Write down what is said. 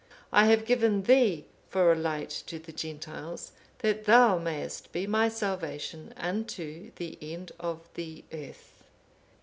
I have given thee for a light to the Gentiles, that thou mayst be my salvation unto the end of the earth.